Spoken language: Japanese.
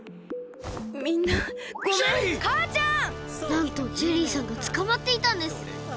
なんとジェリーさんがつかまっていたんです！